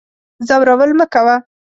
ځورول مکوه